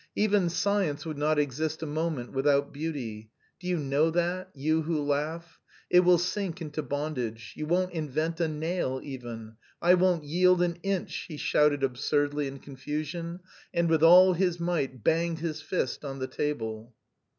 Even science would not exist a moment without beauty do you know that, you who laugh it will sink into bondage, you won't invent a nail even!... I won't yield an inch!" he shouted absurdly in confusion, and with all his might banged his fist on the table.